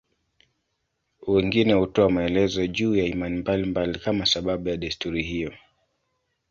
Wengine hutoa maelezo juu ya imani mbalimbali kama sababu ya desturi hiyo.